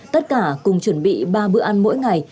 tất cả cùng chuẩn bị ba bữa ăn mỗi ngày